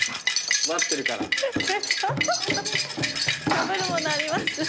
かぶるものあります？